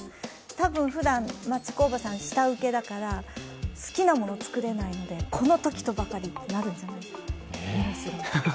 多分、ふだん町工場さん下請けだから、好きなものを作れないので、このときとばかりになるんじゃないです